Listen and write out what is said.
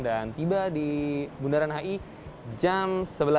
dan tiba di bundaran hi jam sebelas lima puluh delapan